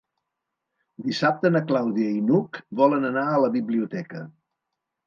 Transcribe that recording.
Dissabte na Clàudia i n'Hug volen anar a la biblioteca.